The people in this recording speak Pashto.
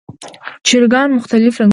چرګان مختلف رنګونه لري.